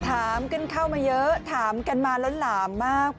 ถามกันเข้ามาเยอะถามกันมาล้นหลามมาก